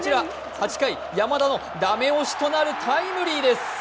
８回、山田の駄目押しとなるタイムリーです。